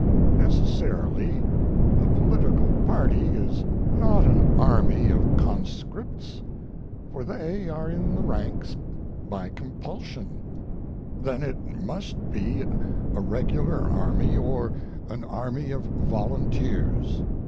Necessarily a political party is not an army of conscripts, for they are in the ranks by compulsion. Then it must be a regular army or an army of volunteers.